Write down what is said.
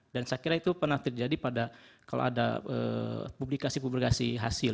dan saya kira itu pernah terjadi pada kalau ada publikasi publikasi hasil